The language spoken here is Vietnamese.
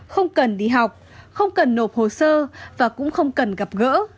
không cần đi học không cần nộp hồ sơ và cũng không cần gặp gỡ